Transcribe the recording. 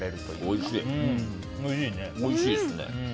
おいしいですね。